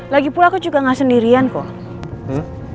lagi pula aku juga gak sendirian kok